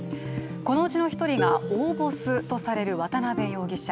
このうちの１人が、大ボスとされる渡辺容疑者。